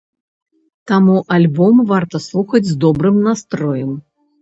Таму альбом варта слухаць з добрым настроем.